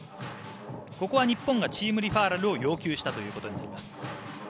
日本がチームリファーラルを要求したという形になります。